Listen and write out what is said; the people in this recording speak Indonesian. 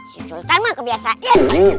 si sultan mah kebiasaan